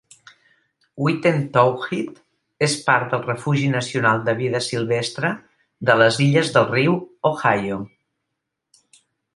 Witten Towhead és part del refugi nacional de vida silvestre de les illes del riu Ohio.